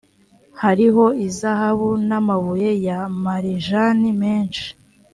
hariho izahabu n amabuye ya marijani menshi